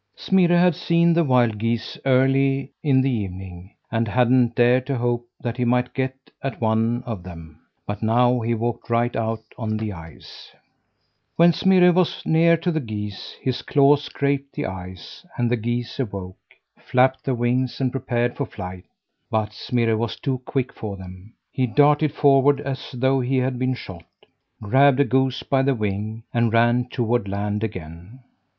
Smirre had seen the wild geese early in the evening, and hadn't dared to hope that he might get at one of them, but now he walked right out on the ice. When Smirre was very near to the geese, his claws scraped the ice, and the geese awoke, flapped their wings, and prepared for flight. But Smirre was too quick for them. He darted forward as though he'd been shot; grabbed a goose by the wing, and ran toward land again.